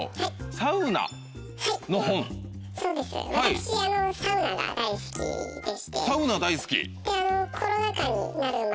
サウナ大好き。